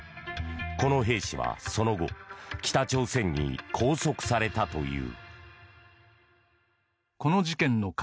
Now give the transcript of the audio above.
この兵士は、その後北朝鮮に拘束されたという。